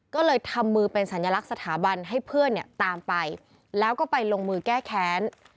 ก็เลยทำมือเป็นสัญลักษณ์สถาบันให้เพื่อนเนี่ยตามไปแล้วก็ไปลงมือแก้แค้น